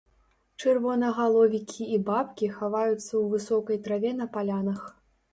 Чырвонагаловікі і бабкі хаваюцца ў высокай траве на палянах.